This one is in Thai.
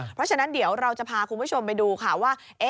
เพราะฉะนั้นเดี๋ยวเราจะพาคุณผู้ชมไปดูค่ะว่า